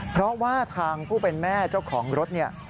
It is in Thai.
เพราะว่าทางผู้เป็นแม่เจ้าของรถเนี่ย